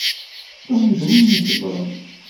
Tom d win isebbṛen.